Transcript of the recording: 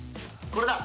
これだ。